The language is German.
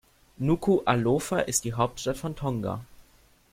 Nukuʻalofa ist die Hauptstadt von Tonga.